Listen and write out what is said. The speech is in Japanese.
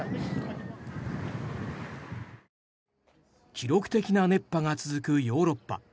記録的な熱波が続くヨーロッパ。